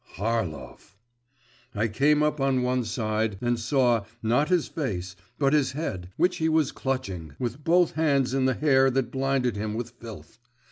Harlov! I came up on one side, and saw, not his face, but his head, which he was clutching, with both hands in the hair that blinded him with filth.